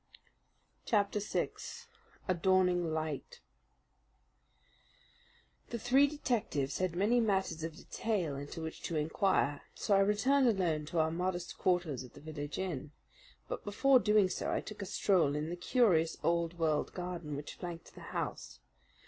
Chapter 6 A Dawning Light The three detectives had many matters of detail into which to inquire; so I returned alone to our modest quarters at the village inn. But before doing so I took a stroll in the curious old world garden which flanked the house.